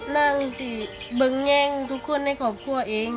นั่งสิเบิ่งแย่งทุกคนให้ขอบคุณเอง